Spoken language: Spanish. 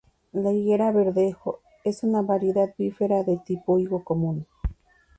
La higuera 'Verdejo' es una variedad "bífera" de tipo higo común.